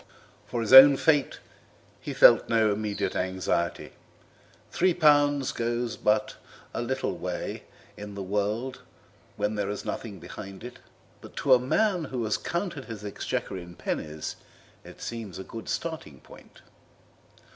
For his own fate he felt no immediate anxiety; three pounds goes but little way in the world when there is nothing behind it, but to a man who has counted his exchequer in pennies it seems a good starting point.